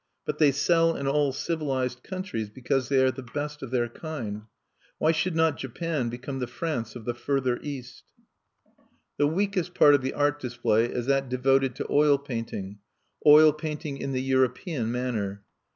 But they sell in all civilized countries because they are the best of their kind. Why should not Japan become the France of the Further East?" The weakest part of the art display is that devoted to oil painting, oil painting in the European manner.